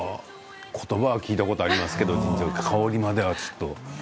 聞いたことはありますけど香りまではちょっと。